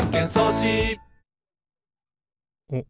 おっ！